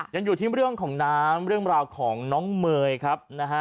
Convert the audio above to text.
ยังอยู่ที่เรื่องของน้ำเรื่องราวของน้องเมย์ครับนะฮะ